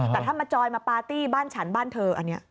แต่ถ้ามาจอยมาปาร์ตี้บ้านฉันบ้านเธออันนี้